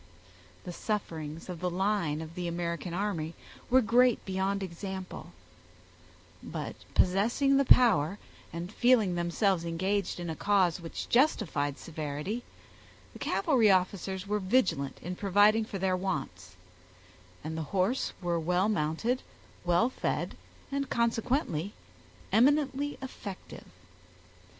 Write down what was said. The sufferings of the line of the American army were great beyond example; but possessing the power, and feeling themselves engaged in a cause which justified severity, the cavalry officers were vigilant in providing for their wants, and the horse were well mounted, well fed, and consequently eminently effective.